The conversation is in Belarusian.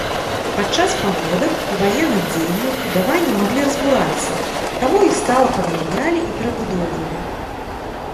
Падчас паводак і ваенных дзеянняў збудаванні маглі разбурацца, таму іх стала паднаўлялі і перабудоўвалі.